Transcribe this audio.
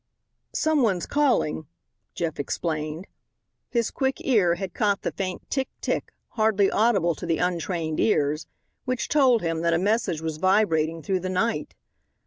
"Some one's calling," Jeff explained. His quick ear had caught the faint "tick tick" hardly audible to the untrained ears, which told him that a message was vibrating through the night.